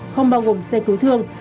không bao gồm xe cứu thương